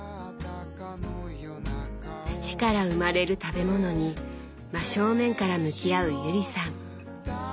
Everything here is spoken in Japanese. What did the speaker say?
土から生まれる食べ物に真正面から向き合う友里さん。